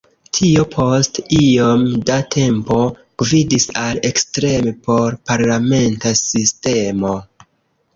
Tio post iom da tempo gvidis al ekstreme por-parlamenta sistemo.